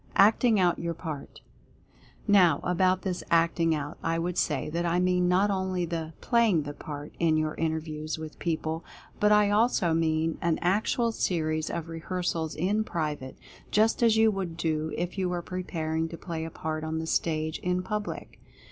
ACTING OUT YOUR PART. Now about this Acting Out, I would say that I mean not only the "playing the part" in your inter views with people, but I also mean an actual series of rehearsals in private, just as you would do if you were preparing to play a part on the stage, in public.